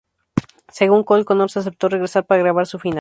Según Cole, Connors aceptó regresar para grabar su final.